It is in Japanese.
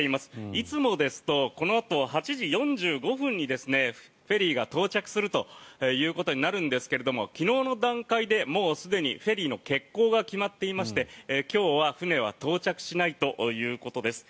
いつもですとこのあと８時４５分にフェリーが到着するということになるんですが昨日の段階でもうすでにフェリーの欠航が決まっていまして今日は船は到着しないということです。